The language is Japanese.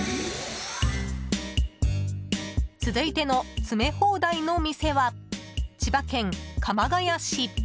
続いての詰め放題の店は千葉県鎌ケ谷市。